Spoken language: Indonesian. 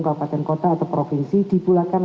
kabupaten kota atau provinsi dipulangkan